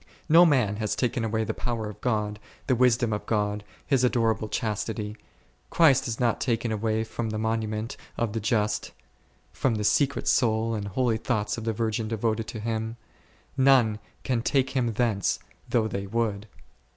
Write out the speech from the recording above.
No man has taken away the power of God, the wisdom of God, His adorable chastity : Christ is not taken away from the monu ment of the just, from the secret soul and holy thoughts of the virgin devoted to Him; none can take Him thence, though they would.